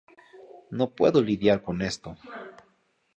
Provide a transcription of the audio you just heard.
No puedo lidiar con esto!